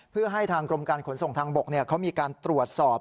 เพื่อให้ทางกรมการขนส่งทางบกเขามีการตรวจสอบ